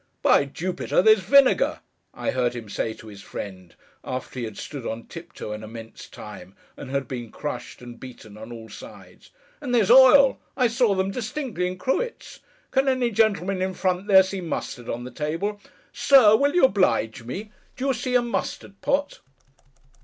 'By Jupiter there's vinegar!' I heard him say to his friend, after he had stood on tiptoe an immense time, and had been crushed and beaten on all sides. 'And there's oil! I saw them distinctly, in cruets! Can any gentleman, in front there, see mustard on the table? Sir, will you oblige me! Do you see a Mustard Pot?